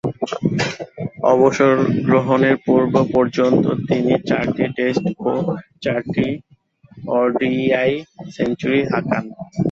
অবসর গ্রহণের পূর্ব-পর্যন্ত তিনি চারটি টেস্ট ও চারটি ওডিআই সেঞ্চুরি হাঁকান।